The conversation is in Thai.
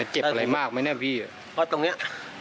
เจ็บอะไรมากไหมนะพี่